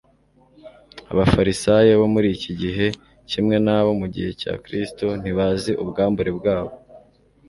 Abafarisayo bo muri iki gihe, kimwe n'abo mu gihe cya Kristo, ntibazi ubwambure bwabo.